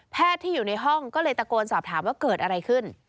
ที่อยู่ในห้องก็เลยตะโกนสอบถามว่าเกิดอะไรขึ้น